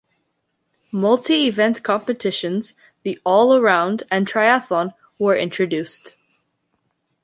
Multi-event competitions, the all-around and triathlon, were introduced.